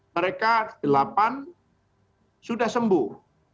mereka delapan sudah sembuh